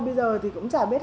bây giờ thì cũng chả biết